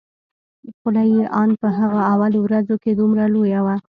خوله يې ان په هغه اولو ورځو کښې دومره لويه وه.